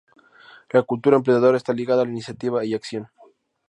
La cultura emprendedora está ligada a la iniciativa y acción.